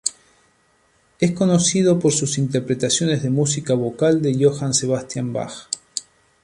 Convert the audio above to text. Es conocido por sus interpretaciones de música vocal de Johann Sebastian Bach.